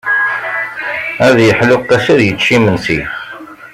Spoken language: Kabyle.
Ad yeḥlu Qasi, ad yečč imensi.